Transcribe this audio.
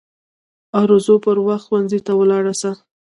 ارزو پر وخت ښوونځي ته ولاړه سه